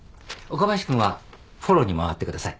岡林君はフォローに回ってください。